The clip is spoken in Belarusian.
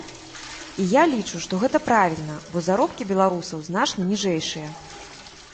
І я лічу, што гэта правільна, бо заробкі беларусаў значна ніжэйшыя.